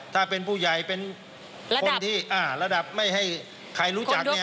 ถ้าเป็นผู้ใหญ่เป็นคนที่ระดับไม่ให้ใครรู้จักเนี่ย